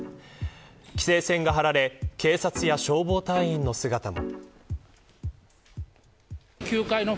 規制線が張られ警察や消防隊員の姿も。